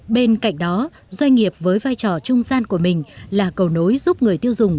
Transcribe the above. bên cạnh đó doanh nghiệp với vai trò trung gian của mình là cầu nối giúp người tiêu dùng